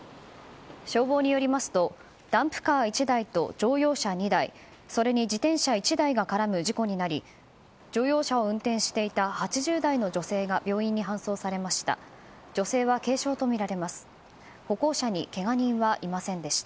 消防によりますとダンプカー１台と乗用車２台それに自転車１台が絡む事故になり乗用車を運転していた８０代の女性が病院に搬送されました。